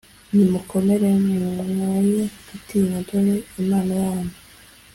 «Nimukomere, mwoye gutinya; dore Imana yanyu.